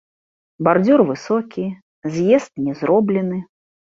Бардзюр высокі, з'езд не зроблены.